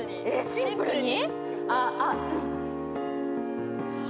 シンプルに？